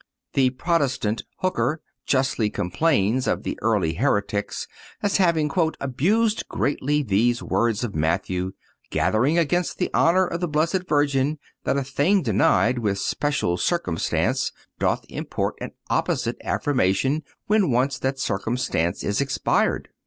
The Protestant Hooker justly complains of the early heretics as having "abused greatly these words of Matthew, gathering against the honor of the Blessed Virgin, that a thing denied with special circumstance doth import an opposite affirmation when once that circumstance is expired."